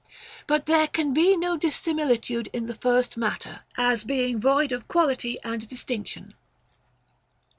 But there can be no dissimilitude in the first matter, as being void of quality and distinction.